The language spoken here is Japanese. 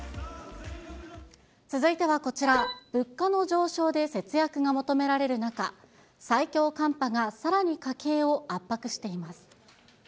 続いてはこちら、物価の上昇で節約が求められる中、最強寒波がさらに家計を圧迫しています。